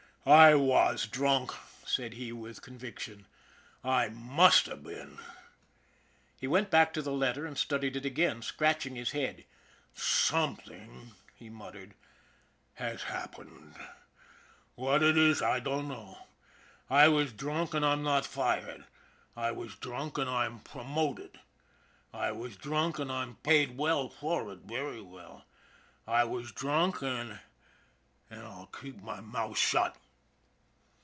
" I was drunk," said he, with conviction. " I must have been." He went back to the letter and studied it again, scratching his head. " Something," he muttered, " has happened. What it is, I dunno. I was drunk, an* I'm not fired. I was drunk, an' I'm promoted. I was drunk, an' I'm paid well for it, very well. I was drunk an' I'll keep my mouth shut."